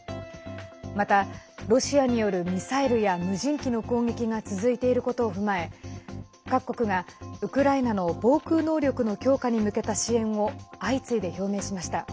また、ロシアによるミサイルや無人機の攻撃が続いていることを踏まえ各国がウクライナの防空能力の強化に向けた支援を相次いで表明しました。